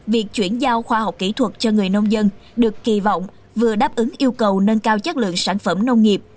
việc chuyển giao khoa học kỹ thuật cho người nông dân được kỳ vọng vừa đáp ứng yêu cầu nâng cao chất lượng sản phẩm nông nghiệp